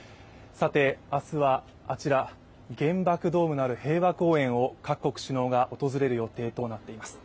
明日はあちら、原爆ドームのある平和公園を各国首脳が訪れる予定となっています。